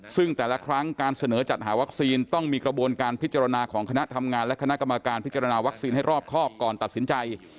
ซึ่งแต่ละครั้งการเสนอจัดหาวัคซีนต้องมีกระบวนการพิจารณาของคณะทำงานและคณะกรรมการพิจารณาวัคซีนให้รอบครอบก่อนตัดสินใจ